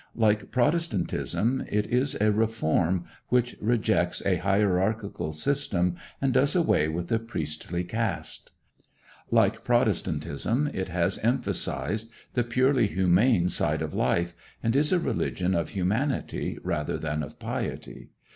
Like Protestantism, it is a reform, which rejects a hierarchal system and does away with a priestly caste. Like Protestantism, it has emphasized the purely humane side of life, and is a religion of humanity rather than of piety.